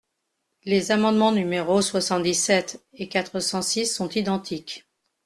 Les amendements numéros soixante-dix-sept et quatre cent six sont identiques.